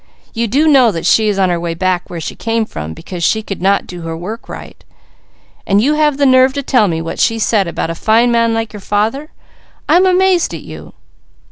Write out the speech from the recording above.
You do know that she is on her way back where she came from, because she could not do her work right. And you have the nerve to tell me what she said about a fine man like your father. I'm amazed at you!"